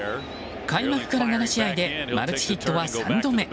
開幕から７試合でマルチヒットは３度目。